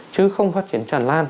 chứ không phát triển tràn lan